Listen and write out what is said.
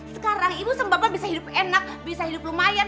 sekarang ibu sembako bisa hidup enak bisa hidup lumayan